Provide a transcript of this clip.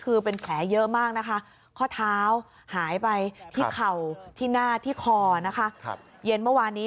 คือเป็นแผลเยอะมากนะคะข้อเท้าหายไปที่เข่าที่หน้าที่คอนะคะเย็นเมื่อวานนี้